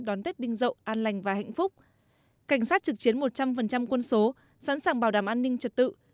đón tết đinh dậu an lành và hạnh phúc cảnh sát trực chiến một trăm linh quân số sẵn sàng bảo đảm an ninh trật tự